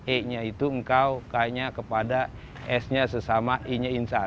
e nya itu engkau k nya kepada s nya sesama i nya insan